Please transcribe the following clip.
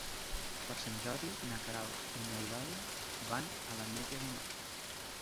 Per Sant Jordi na Queralt i n'Eulàlia van a l'Ametlla de Mar.